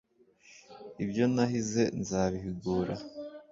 Ibyo nahize nzabihigura